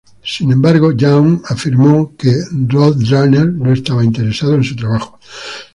Sin embargo, Yeung afirmó que Roadrunner no estaba interesado en su trabajo.